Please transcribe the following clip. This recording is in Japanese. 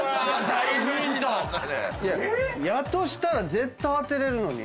やとしたら絶対当てれるのに。